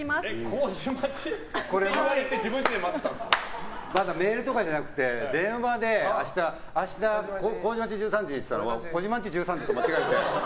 麹町と言われてまだメールとかじゃなくて電話で明日、麹町１３時って言ったのを児嶋んち１３時と間違えて。